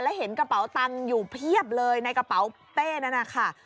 เห็นกระเป๋าตังค์อยู่เพียบเลยในกระเป๋าเป้นั่นนะคะ